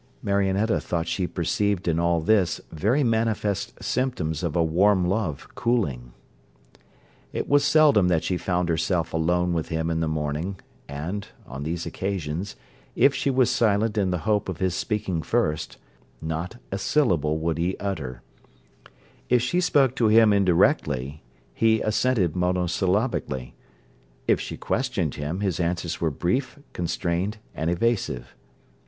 Marionetta thought she perceived in all this very manifest symptoms of a warm love cooling. It was seldom that she found herself alone with him in the morning, and, on these occasions, if she was silent in the hope of his speaking first, not a syllable would he utter; if she spoke to him indirectly, he assented monosyllabically; if she questioned him, his answers were brief, constrained, and evasive.